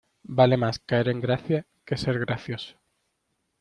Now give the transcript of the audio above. Vale más caer en gracia, que ser gracioso.